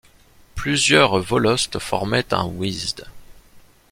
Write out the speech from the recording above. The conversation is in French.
Plusieurs volosts formaient un ouiezd.